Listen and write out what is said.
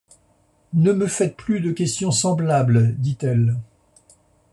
Ne me faites plus de questions semblables, dit-elle.